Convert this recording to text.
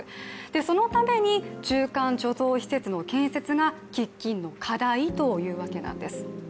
そのために中間貯蔵施設の建設が喫緊の課題というわけなんです。